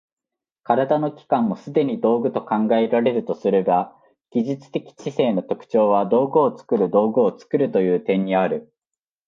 身体の器官もすでに道具と考えられるとすれば、技術的知性の特徴は道具を作る道具を作るという点にある。